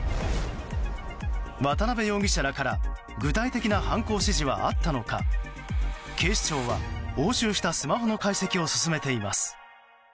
渡邉容疑者らから具体的な犯行指示はあったのか警視庁は押収したスマホの解析を進めています。